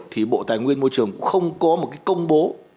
thì bộ tài nguyên môi trường cũng không có một cái công bố